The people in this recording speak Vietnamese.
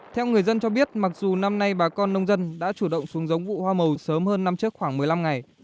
theo người dân cho biết mặc dù năm nay bà con nông dân đã chủ động xuống giống vụ hoa màu sớm hơn năm trước khoảng một mươi năm ngày